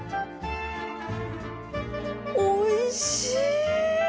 おいしい！